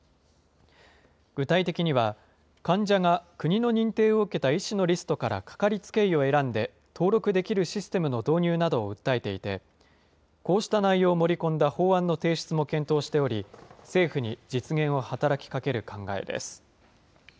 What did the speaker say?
具体的には、患者が国の認定を受けた医師のリストから掛かりつけ医を選んで、登録できるシステムの導入などを訴えていて、こうした内容を盛り込んだ法案の提出も検討しており、政府に実現を働きかける考えです。